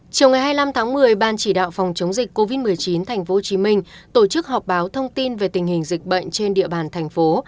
chiều ngày hai mươi năm tháng một mươi ban chỉ đạo phòng chống dịch covid một mươi chín tp hcm tổ chức họp báo thông tin về tình hình dịch bệnh trên địa bàn thành phố